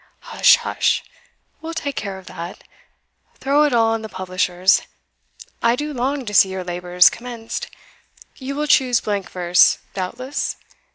"Hush! hush! we'll take care of that throw it all on the publishers. I do long to see your labours commenced. You will choose blank verse, doubtless?